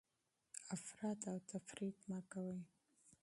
افراط او تفریط مه کوئ.